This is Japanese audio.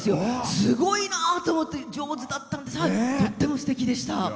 すごいなと思って上手だったんでとってもすてきでした。